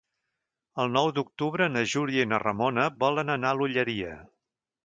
El nou d'octubre na Júlia i na Ramona volen anar a l'Olleria.